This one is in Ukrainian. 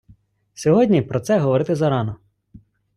Сьогодні про це говорити зарано!